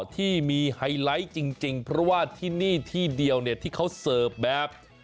ที่มีไฮไลท์จริงเพราะว่าที่นี่ที่เดียวที่เขาเสิร์ฟแบบ